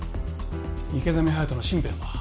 池上隼人の身辺は？